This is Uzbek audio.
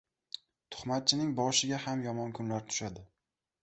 • Tuhmatchining boshiga ham yomon kunlar tushadi.